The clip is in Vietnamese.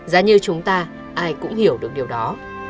giá như chúng ta ai cũng hiểu được điều đó